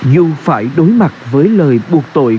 dù phải đối mặt với lời buộc tội